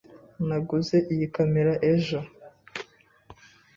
Naguze iyi kamera ejo.